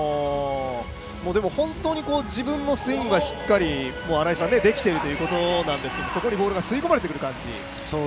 本当に自分のスイングがしっかりできているということなんですけど、そこにボールが吸い込まれてくる感じ。